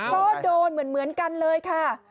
ก็โดนเหมือนกันเลยค่ะ